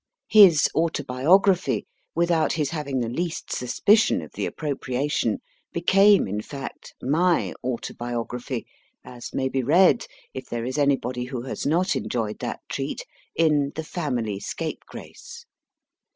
His c 2 20 MY FIRST BOOK autobiography, without his having the least suspicion of the appropriation, became in fact my autobiography, as maybe read (if there is anybody who has not enjoyed that treat) in The Family Scapegrace.